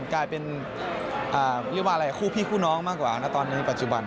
กลายเป็นคู่พี่คู่น้องมากกว่าณตอนนี้ปัจจุบัน